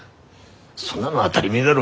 そんなの当だり前だろ。